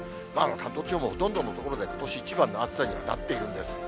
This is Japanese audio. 関東地方もほとんどの所で、ことし一番の暑さにはなっているんです。